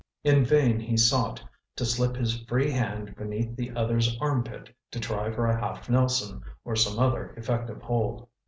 In vain he sought to slip his free hand beneath the other's armpit to try for a half Nelson or some other effective hold.